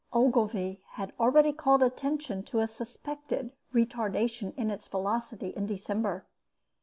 Ogilvy had already called attention to a suspected retardation in its velocity in December.